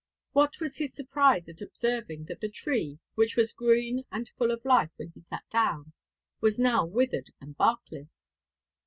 What was his surprise at observing that the tree, which was green and full of life when he sat down, was now withered and barkless!